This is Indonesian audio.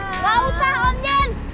enggak usah om jin